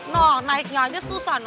nah naiknya aja susah no